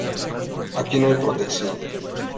Aqui no hay protección.